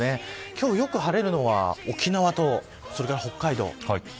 今日よく晴れるのは沖縄と北海道。